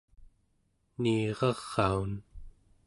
eniraraun